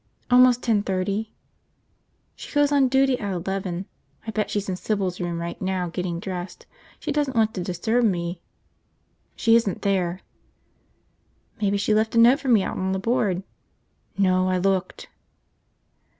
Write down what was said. "Almost ten thirty." "She goes on duty at eleven. I bet she's in Sybil's room right now, getting dressed. She doesn't want to disturb me." "She isn't there." "Maybe she left a note for me out on the board." "No. I looked."